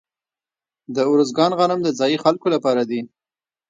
د ارزګان غنم د ځايي خلکو لپاره دي.